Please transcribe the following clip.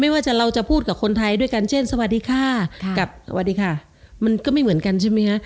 เราจะเราจะพูดกับคนไทยด้วยกันเช่นสวัสดีค่ะกับสวัสดีค่ะมันก็ไม่เหมือนกันใช่ไหมคะ